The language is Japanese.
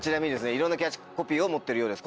いろんなキャッチコピーを持ってるようです